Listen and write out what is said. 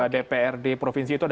dprd provinsi itu ada